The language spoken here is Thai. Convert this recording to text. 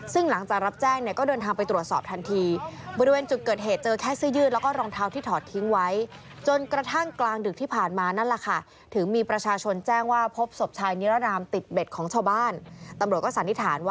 ซึ่งหลังจากรับแจ้งก็เดินทางไปตรวจสอบทันที